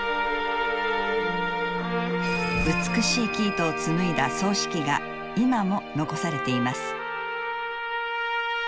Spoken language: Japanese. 美しい生糸を紡いだ繰糸機が今も残されています。